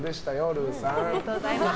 ルーさん。